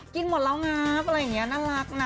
หมดแล้วครับอะไรอย่างนี้น่ารักนะ